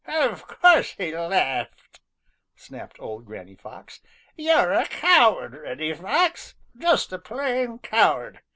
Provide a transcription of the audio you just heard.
"Of course he laughed!" snapped old Granny Fox. "You're a coward, Reddy Fox, just a plain coward.